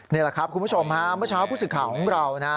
นี่แหละครับคุณผู้ชมฮะเมื่อเช้าผู้สื่อข่าวของเรานะ